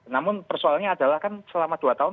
namun persoalnya adalah kan selama dua tahun